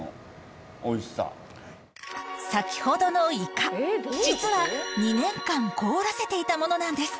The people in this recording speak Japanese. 先ほどのイカ実は２年間凍らせていたものなんです